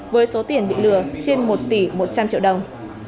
với số tiền bị lừa trên một tỷ một trăm linh triệu đồng